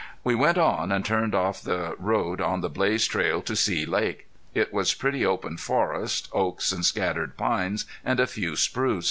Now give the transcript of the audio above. We went on, and turned off the road on the blazed trail to See Lake. It was pretty open forest, oaks and scattered pines, and a few spruce.